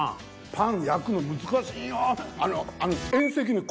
パン焼くの難しいんよ。